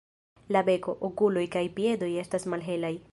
La beko, okuloj kaj piedoj estas malhelaj.